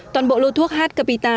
toàn bộ lô thuốc h capita